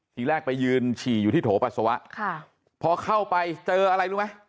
ทีแรกไปยืนฉี่อยู่ที่โถปัสสาวะค่ะพอเข้าไปเจออะไรรู้ไหม